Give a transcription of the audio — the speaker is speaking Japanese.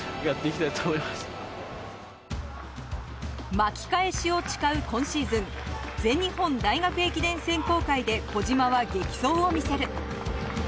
巻き返しを誓う今シーズン、全日本大学駅伝選考会で小島は激走を見せる。